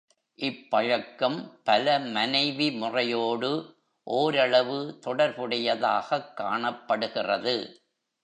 இப்பழக்கம் பல மனைவி முறையோடு ஓரளவு தொடர்புடையதாகக் காணப்படுகிறது.